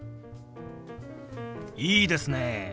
いいですね！